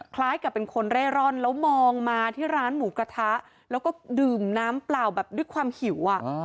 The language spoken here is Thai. คล้ายกับเป็นคนเร่ร่อนแล้วมองมาที่ร้านหมูกระทะแล้วก็ดื่มน้ำเปล่าแบบด้วยความหิว